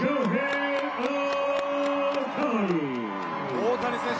大谷選手